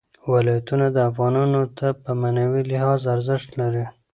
ولایتونه افغانانو ته په معنوي لحاظ ارزښت لري.